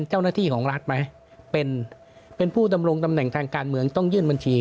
เจ้าหน้าที่ของรัฐไหมเป็นเป็นผู้ดำรงตำแหน่งทางการเมืองต้องยื่นบัญชี